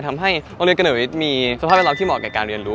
ทำให้โรงเรียนกระเนิดวิทย์มีสภาพแวดล้อมที่เหมาะกับการเรียนรู้